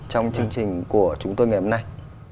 trong chương trình của chúng tôi ngày hôm nay